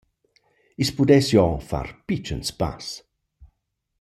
I’s pudess jo far pitschens pass.